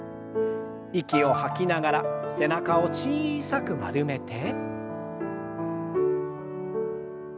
息を吐きながら背中を小さく丸めて。